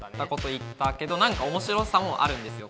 けど何か面白さもあるんですよ